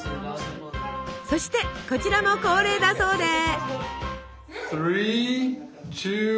そしてこちらも恒例だそうで。